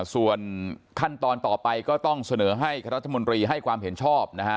ส่วนขั้นตอนต่อไปก็ต้องเสนอให้คณะรัฐมนตรีให้ความเห็นชอบนะฮะ